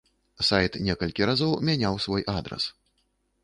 Сайт некалькі разоў мяняў свой адрас.